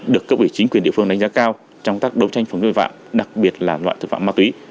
được cộng đồng chính quyền địa phương đánh giá cao trong các đấu tranh phòng chống vạn đặc biệt là loại thực phạm ma túy